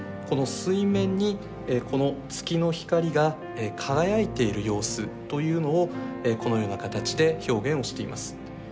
この水面にこの月の光が輝いている様子というのをこのような形で表現をしています。